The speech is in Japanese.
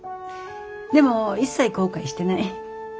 でも一切後悔してない。